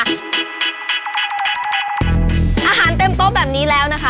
อาหารเต็มโต๊ะแบบนี้แล้วนะคะ